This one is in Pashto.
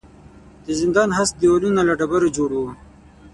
د زندان هسک دېوالونه له ډبرو جوړ وو.